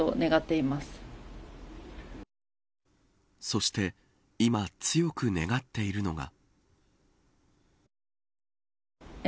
そして今強く願っているのが。